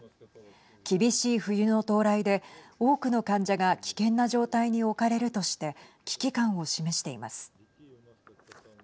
厳しい冬の到来で、多くの患者が危険な状態に置かれるとして危機感を示しています。